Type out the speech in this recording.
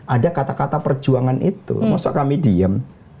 ada kata kata perjuangan itu masa kami diem